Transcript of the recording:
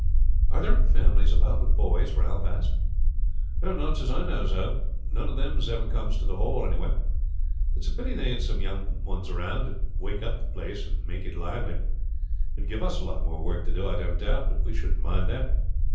"Are there any families about with boys?" Ralph asked. "Not as I knows of. None of then that ever comes to the Hall, anyhow. It's a pity there ain't some young ones there; it would wake the place up and make it lively. It would give us a lot more work to do, I don't doubt; but we shouldn't mind that.